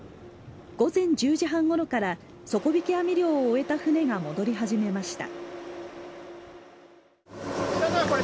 午前１０時半ごろから底引き網漁を終えた船が戻り始めました。